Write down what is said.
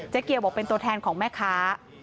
เกียวบอกเป็นตัวแทนของแม่ค้า